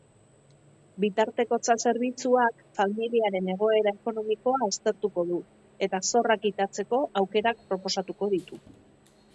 Bitartekotza-zerbitzuak familiaren egoera ekonomikoa aztertuko du eta zorra kitatzeko aukerak proposatuko ditu.